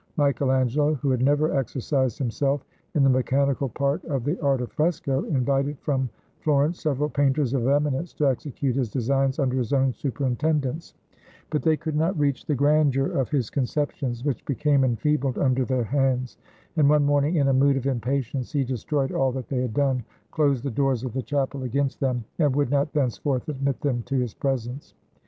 Michael Angelo, who had never exercised himself in the mechanical part of the art of fresco, invited from Florence several painters of eminence to execute his designs under his own superintendence ; but they could not reach the grandeur of his conceptions, which became enfeebled under their hands, and one morning, in a mood of impatience, he destroyed all that they had done, closed the doors of the chapel against lOI ITALY them, and would not thenceforth admit them to his presence.